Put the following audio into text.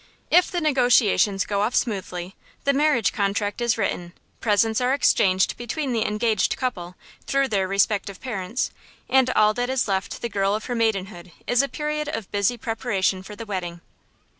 If the negotiations go off smoothly, the marriage contract is written, presents are exchanged between the engaged couple, through their respective parents, and all that is left the girl of her maidenhood is a period of busy preparation for the wedding.